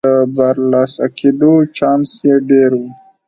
د برلاسه کېدو چانس یې ډېر و.